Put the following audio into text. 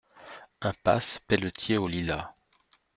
Impasse Pelletier aux Lilas